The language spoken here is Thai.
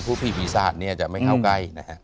พวกพี่บีศาสตร์เนี่ยจะไม่เข้าใกล้นะฮะ